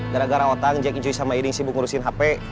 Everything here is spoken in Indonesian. gara gara otang jack injuy sama eding sibuk ngurusin hp